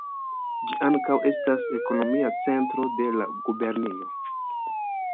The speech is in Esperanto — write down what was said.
Ĝi ankaŭ estas ekonomia centro de la gubernio.